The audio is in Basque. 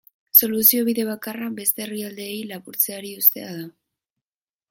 Soluzio bide bakarra beste herrialdeei lapurtzeari uztea da.